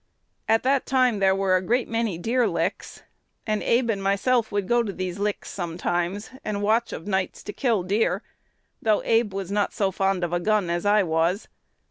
"At that time there were a great many deer licks; and Abe and myself would go to those licks sometimes, and watch of nights to kill deer, though Abe was not so fond of a gun as I was.